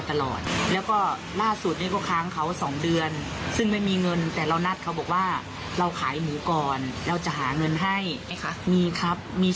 ทุกที่คอกับไหล่ตรงนี้นะครับ